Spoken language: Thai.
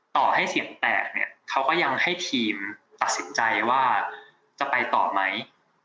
ต่อให้เสียงแตกเนี่ยเขาก็ยังให้ทีมตัดสินใจว่าจะไปต่อไหม